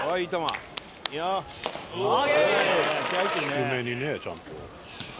「低めにねちゃんと」